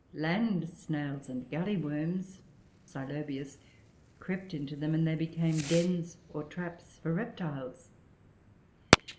Land snails and galley worms (Xylobius) crept into them, and they became dens, or traps, for reptiles.